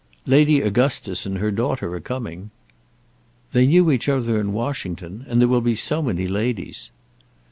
"Lady Augustus and her daughter are coming." "They knew each other in Washington. And there will be so many ladies."